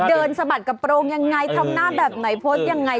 สะบัดกระโปรงยังไงทำหน้าแบบไหนโพสต์ยังไง